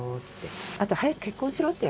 あと「早く結婚しろ」ってやっぱり。